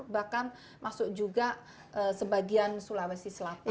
bahkan masuk juga sebagian sulawesi selatan